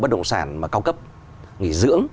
bất động sản mà cao cấp nghỉ dưỡng